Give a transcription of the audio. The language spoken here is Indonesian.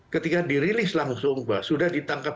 ketika dirilis langsung bahwa sudah ditangkap